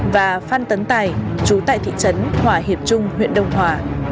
và phan tấn tài chú tại thị trấn hỏa hiệp trung huyện đông hòa